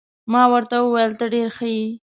ما ورته وویل: ته ډېر ښه يې.